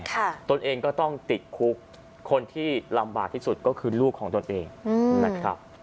ตนเองก็ต้องติดคุกคนที่ลำบากที่สุดก็คือลูกของตนเองนะครับ